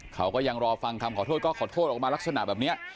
เขาก็ยังรอฟังคำขอโทษก็ขอโทษออกมาลักษณะแบบนี้